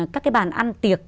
các cái bàn ăn tiệc